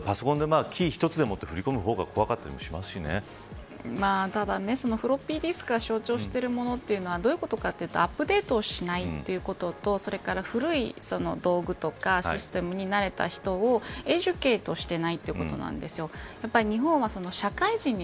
逆にと、パソコンでキー１つで振り込む方がただ、フロッピーディスクが象徴しているものというのはどういうことかというとアップデートをしないということとそれから、古い道具とかシステムに慣れた人をエジュケートしていないということなんです。